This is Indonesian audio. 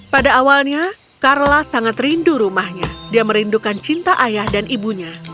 pada awalnya carla sangat rindu rumahnya dia merindukan cinta ayah dan ibunya